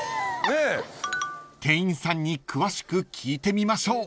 ［店員さんに詳しく聞いてみましょう］